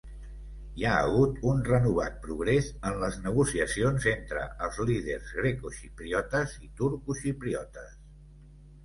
Hi ha hagut un renovat progrés en les negociacions entre els líders grecoxipriotes i turcoxipriotes.